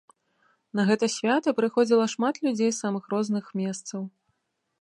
На гэта свята прыходзіла шмат людзей з самых розных месцаў.